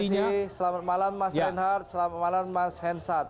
terima kasih selamat malam mas reinhardt selamat malam mas hensat